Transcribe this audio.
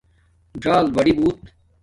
ژݴل بڑی بݸت